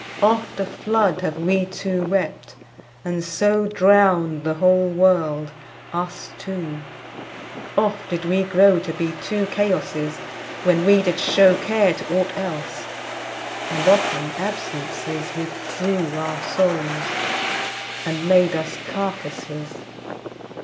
Oft a flood Have wee two wept, and so Drownd the whole world, us two; oft did we grow To be two Chaosses, when we did show Care to ought else; and often absences Withdrew our soules, and made us carcasses.